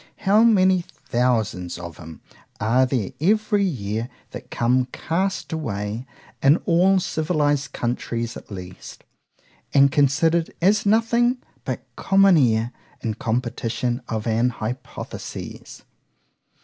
How many thousands of 'em are there every year that come cast away, (in all civilized countries at least)——and considered as nothing but common air, in competition of an hypothesis.